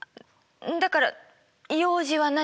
だから用事は何？